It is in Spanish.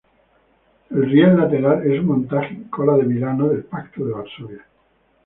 El riel lateral es un montaje en cola de milano del Pacto de Varsovia.